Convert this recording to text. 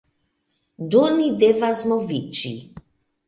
Do ni devas moviĝi.